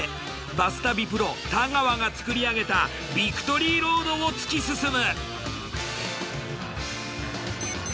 バス旅プロ太川が作り上げたビクトリーロードを突き進む！